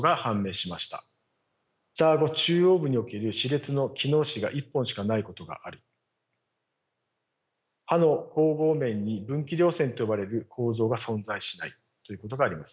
下顎中央部における歯列の機能歯が１本しかないことがある歯の咬合面に分岐稜線と呼ばれる構造が存在しないということがあります。